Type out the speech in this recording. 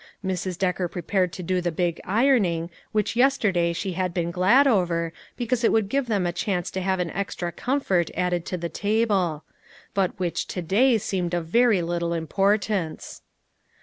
Mrs. Decker prepared to do the big ironing which yesterday she had been glad over, because it would give them a chance to have an extra com fort added to the table ; but which to day seemed of very little importance.